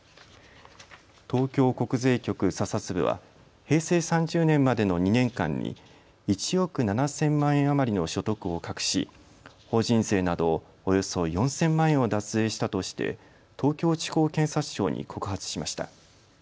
東京国税局査察部は平成３０年までの２年間に１億７０００万円余りの所得を隠し、法人税などおよそ４０００万円を脱税したとして東京地方検察庁に告発しました。